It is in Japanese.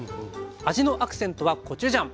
味のアクセントはコチュジャン。